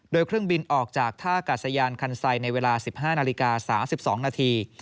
โดยเครื่องบินออกจากท่ากาศยานคันไซในเวลา๑๕นาฬิกา๓๒นาที